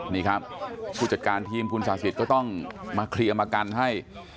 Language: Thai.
นี่ครับผู้จัดการทีมพุนศาษิษฐ์ก็ต้องมาเคลียร์มากันให้